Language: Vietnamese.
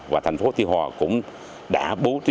và thành phố tây hòa cũng đã bố trí